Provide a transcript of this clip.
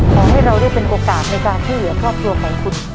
ขอให้เราได้เป็นโอกาสในการช่วยเหลือครอบครัวของคุณ